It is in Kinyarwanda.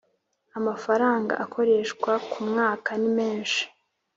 Amafaranga akoreshwa ku mwaka ni menshi